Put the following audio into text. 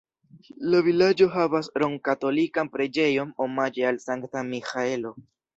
La vilaĝo havas romkatolikan preĝejon omaĝe al Sankta Miĥaelo.